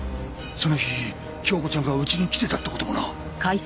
その日京子ちゃんがうちに来てたって事もな。